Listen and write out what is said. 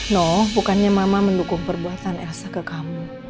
no bukannya mama mendukung perbuatan elsa ke kamu